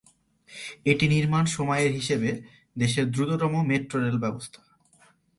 এটি নির্মাণ সময়ের হিসাবে দেশের দ্রুততম মেট্রো রেল ব্যবস্থা।